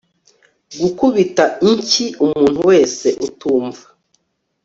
Gukubita inshyiumuntu wese utumva